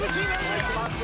お願いします。